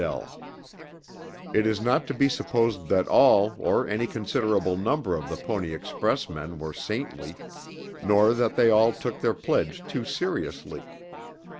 " It is not to be supposed that all, nor any considerable number of the Pony Express men were saintly, nor that they all took their pledge too seriously.